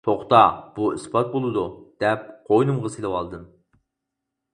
«توختا. بۇ ئىسپات بولىدۇ. » دەپ قوينۇمغا سىلىۋالدىم.